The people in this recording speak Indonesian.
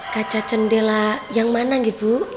kaca jendela yang mana gitu